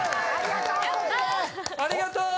ありがとうコジ！